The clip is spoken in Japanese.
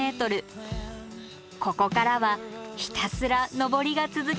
ここからはひたすら登りが続きます